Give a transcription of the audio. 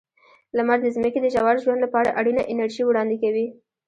لمر د ځمکې د ژور ژوند لپاره اړینه انرژي وړاندې کوي.